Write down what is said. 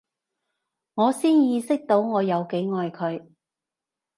我先意識到我有幾愛佢